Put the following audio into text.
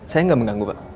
saya nggak mengganggu pak